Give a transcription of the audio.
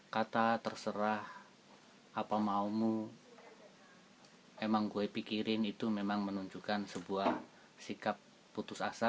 kata terserah apa maumu emang gue pikirin itu memang menunjukkan sebuah sikap putus asa